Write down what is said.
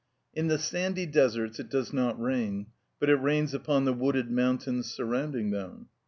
In the sandy deserts it does not rain, but it rains upon the wooded mountains surrounding them.